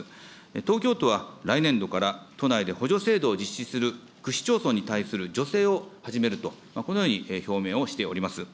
東京都は来年度から都内で補助制度を実施する区市町村に対する助成を始めると、このように表明をしております。